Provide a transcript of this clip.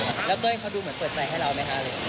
แล้วเต้ยเขาดูเหมือนเปิดใจให้เราไหมคะ